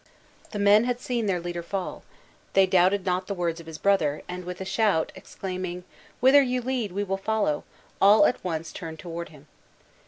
The men had seen their leader fall; they doubted not the words of his brother; and with a shout exclaiming, "Whither you lead we follow!" all at once turned toward him.